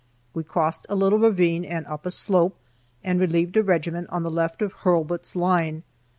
We crossed a little ravine and up a slope, and relieved a regiment on the left of Hurlbut's line.